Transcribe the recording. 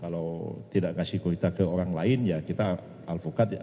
kalau tidak ngasih kuasa ke orang lain ya kita laksanakan